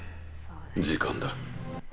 時間だ。